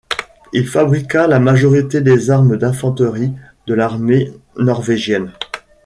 Il fabriqua la majorité des armes d'infanterie de l'armée norvégienne.